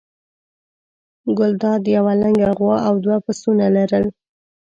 ګلداد یوه لنګه غوا او دوه پسونه لرل.